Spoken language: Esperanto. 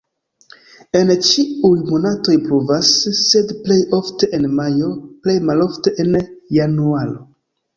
En ĉiuj monatoj pluvas, sed plej ofte en majo, plej malofte en januaro.